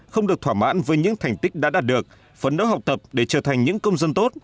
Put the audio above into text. không được thỏa mãn với những thành tích đã đạt được phấn đấu học tập để trở thành những công dân tốt